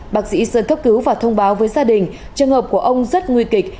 bác sĩ sơn cấp cứu và thông báo với gia đình trường hợp của ông rất nguy kịch